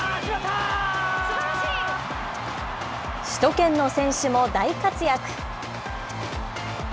首都圏の選手も大活躍。